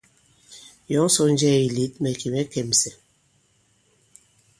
Yɔ̌ŋ sɔ nnjɛɛ̄ ì lět, mɛ̀ kì mɛ̌ kɛ̀msɛ̀.